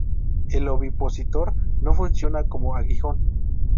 El ovipositor no funciona como aguijón.